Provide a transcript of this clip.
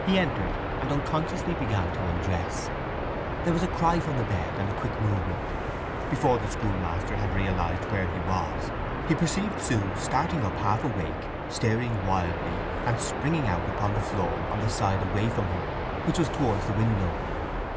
He entered, and unconsciously began to undress. There was a cry from the bed, and a quick movement. Before the schoolmaster had realized where he was he perceived Sue starting up half awake, staring wildly, and springing out upon the floor on the side away from him, which was towards the window.